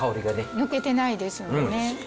抜けてないですよね。